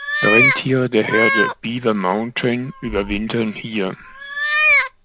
Rentiere der Herde "Beaver Mountain" überwintern hier.